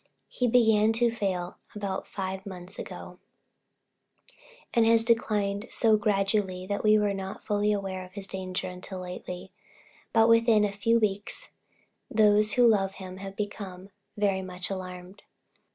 He began to fail about five months ago, and has declined so gradually that we were not fully aware of his danger until lately; but within a few weeks those who love him have become very much alarmed.